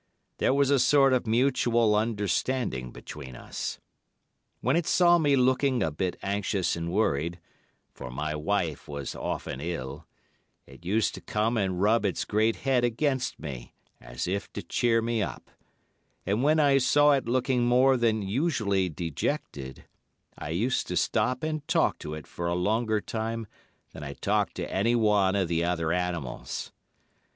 There was a sort of mutual understanding between us. When it saw me looking a bit anxious and worried, for my wife was often ill, it used to come and rub its great head against me, as if to cheer me up, and when I saw it looking more than usually dejected, I used to stop and talk to it for a longer time than I talked to any one of the other animals.